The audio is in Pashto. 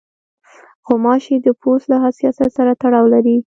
غوماشې د پوست له حساسیت سره تړاو لري.